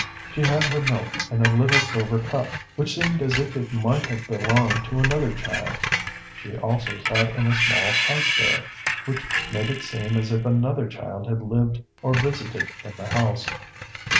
She had her milk in a little silver cup which seemed as if it might have belonged to another child; she also sat in a small high chair, which made it seem as if another child had lived or visited in the house.